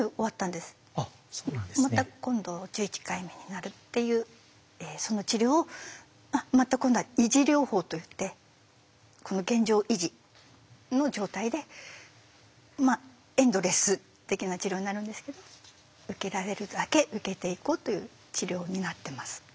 また今度１１回目になるっていうその治療をまた今度は維持療法といってこの現状維持の状態でエンドレス的な治療になるんですけど受けられるだけ受けていこうという治療になってます。